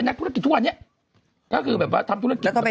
ตอะวววววววววแบบอย่างนี้เลย